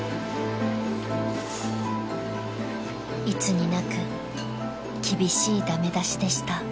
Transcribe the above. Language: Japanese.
［いつになく厳しい駄目出しでした］